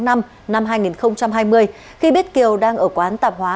năm hai nghìn hai mươi khi biết kiều đang ở quán tạp hóa